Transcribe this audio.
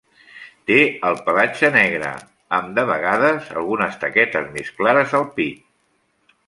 Té el pelatge negre amb, de vegades, algunes taquetes més clares al pit.